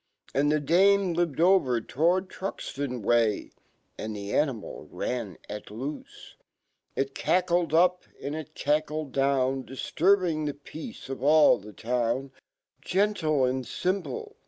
Andfhe dame lived over towardTruxtonway, Andihe animal ran. at loofc . It cackled up and it cackled down, DfHurblng fhe peace of all fhc town; Gentle and fimple